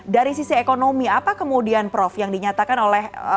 dari sisi ekonomi apa kemudian prof yang dinyatakan oleh